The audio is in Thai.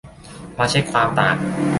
มาเช็กความต่าง